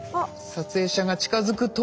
撮影者が近づくと。